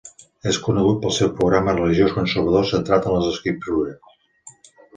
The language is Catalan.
És conegut pel seu programa religiós conservador centrat en les escriptures.